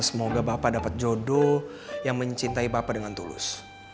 semoga bapak dapat jodoh yang mencintai bapak dengan tulus